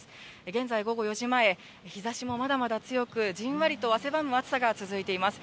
現在、午後４時前、日ざしもまだまだ強く、じんわりと汗ばむ暑さが続いています。